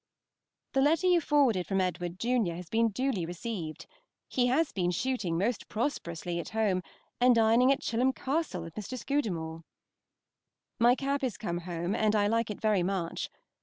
The letter you forwarded from Edward, junr., has been duly received. He has been shooting most prosperously at home, and dining at Chilham Castle and with Mr. Scudamore. My cap is come home, and I like it very much.